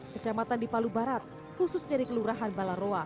kecamatan di palu barat khusus jadi kelurahan balaroa